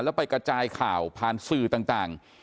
แล้วไปกระจายข่าวผ่านสื่อต่าง